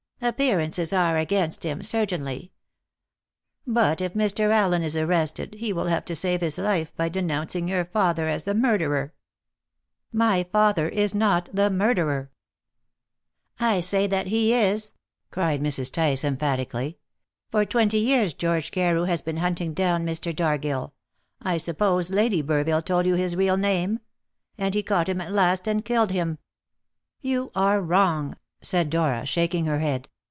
"Appearances are against him, certainly. But if Mr. Allen is arrested, he will have to save his life by denouncing your father as the murderer." "My father is not the murderer." "I say that he is!" cried Mrs. Tice emphatically. "For twenty years George Carew has been hunting down Mr. Dargill I suppose Lady Burville told you his real name? and he caught him at last and killed him." "You are wrong," said Dora, shaking her head.